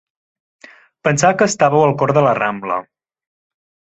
Pensava que estàveu al cor de la Rambla.